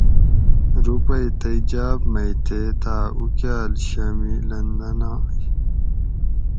روپئی تئی جاۤب مئی تھیتاۤ اُوکاۤل شامِ لندناۤئے